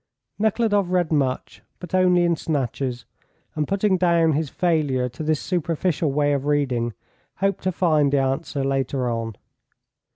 Nekhludoff read much, but only in snatches, and putting down his failure to this superficial way of reading, hoped to find the answer later on.